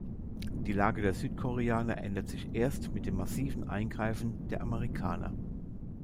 Die Lage der Südkoreaner ändert sich erst mit dem massiven Eingreifen der Amerikaner.